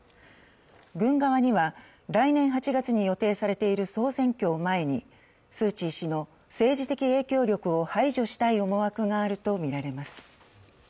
軍側には来年８月に予定されている総選挙を前にスー・チー氏の政治的影響力を排除したい思惑があるとみられます。